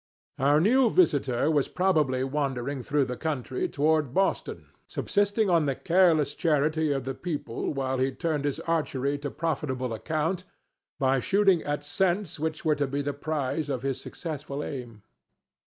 Our new visitor was probably wandering through the country toward Boston, subsisting on the careless charity of the people while he turned his archery to profitable account by shooting at cents which were to be the prize of his successful aim.